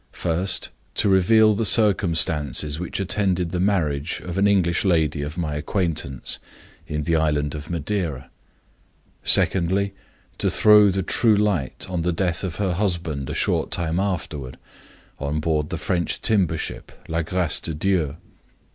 First, to reveal the circumstances which attended the marriage of an English lady of my acquaintance, in the island of Madeira. Secondly, to throw the true light on the death of her husband a short time afterward, on board the French timber ship La Grace de Dieu.